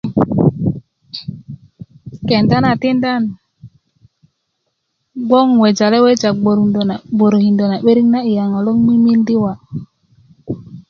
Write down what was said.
kenda na tinda nan gboŋ 'nwejale weja gbörundö gbörökindö na 'börik na iya ŋo loŋ mimindi wa